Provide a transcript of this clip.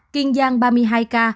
kiên giang ba mươi hai ca